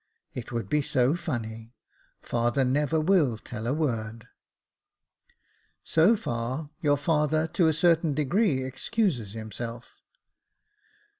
It would be so funny. Father never will tell a word." " So far, your father, to a certain degree, excuses him self."